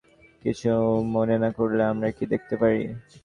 কিছু মনে না করলে, আমরা কি দেখতে পারি?